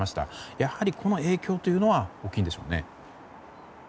やはり、この影響は大きいんでしょうね。